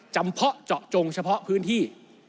เพาะเจาะจงเฉพาะพื้นที่